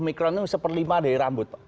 sepuluh mikron itu satu per lima dari rambut